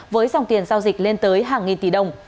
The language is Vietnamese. với dòng tiền giao dịch lên tới hàng nghìn tỷ đồng